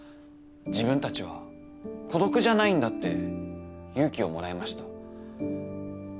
自分たちは孤独じゃないんだって勇気をもらえました。